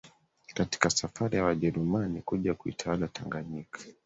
katika safari ya wajerumani kuja kuitawala Tanganyika